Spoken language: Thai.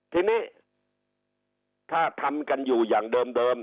ทีนี้ถ้าทำกันอยู่อย่างเดิม